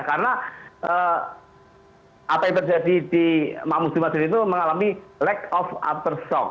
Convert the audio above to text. karena apa yang terjadi di mahmudud dan mazuni itu mengalami lack of aftershock